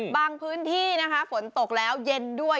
บางพื้นที่นะคะฝนตกแล้วเย็นด้วย